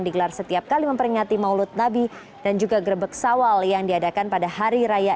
digelar setiap kali memperingati maulud nabi dan juga grebek sawal yang diadakan pada hari raya